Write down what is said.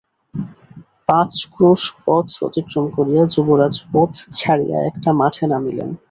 পাঁচ ক্রোশ পথ অতিক্রম করিয়া যুবরাজ পথ ছাড়িয়া একটা মাঠে নামিলেন।